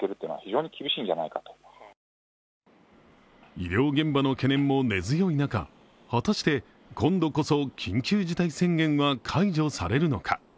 医療現場の懸念も根強い中、果たして今回こそ緊急事態宣言は解除されるのか。